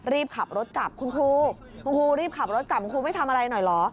รีบขับรถกลับคุณครูคุณครูรีบขับรถกลับคุณครูไม่ทำอะไรหน่อยเหรอ